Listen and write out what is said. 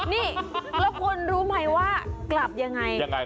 นี่แล้วคุณรู้ไหมว่ากลับยังไง